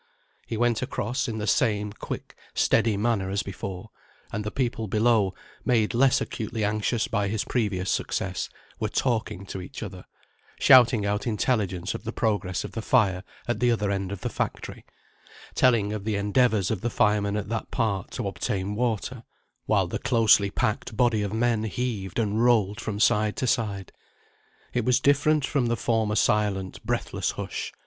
He went across in the same quick steady manner as before, and the people below, made less acutely anxious by his previous success, were talking to each other, shouting out intelligence of the progress of the fire at the other end of the factory, telling of the endeavours of the firemen at that part to obtain water, while the closely packed body of men heaved and rolled from side to side. It was different from the former silent breathless hush.